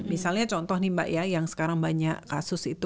misalnya contoh nih mbak ya yang sekarang banyak kasus itu